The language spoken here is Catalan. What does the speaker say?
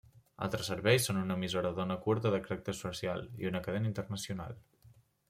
Altres serveis són una emissora d'ona curta de caràcter social, i una cadena internacional.